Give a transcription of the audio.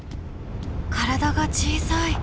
体が小さい。